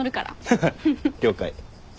ハハッ了解。